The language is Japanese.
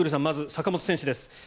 まず坂本選手です。